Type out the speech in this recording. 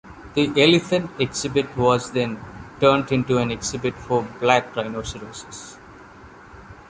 The elephant exhibit was then turned into an exhibit for black rhinoceroses.